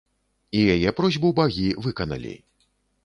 І яе просьбу багі выканалі.